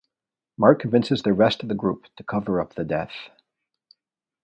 Mark convinces the rest of the group to cover up the death.